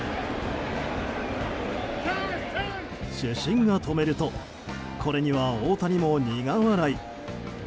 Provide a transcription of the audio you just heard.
主審が止めるとこれには大谷も苦笑い。